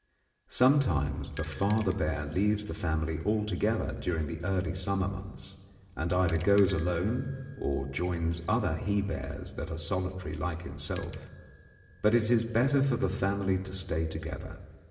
Sometimes the father bear leaves the family altogether during the early summer months, and either goes alone or joins other he bears that are solitary like himself; but it is better for the family to stay together.